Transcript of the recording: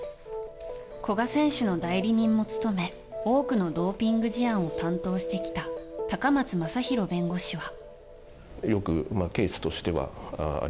古賀選手の代理人も務め多くのドーピング事案を担当してきた高松政裕弁護士は。